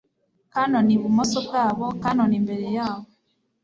Cannon ibumoso bwaboCannon imbere yabo